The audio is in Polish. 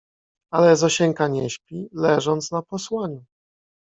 Ale Zosieńka nie śpi, leżąc na posłaniu